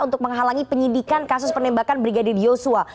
untuk menghalangi penyidikan kasus penembakan brigadir yosua